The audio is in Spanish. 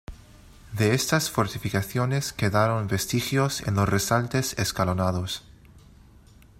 De estas fortificaciones quedaron vestigios en los resaltes escalonados.